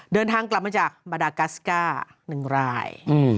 เดินทางกลับมาจากมาดากัสก้า๑ราย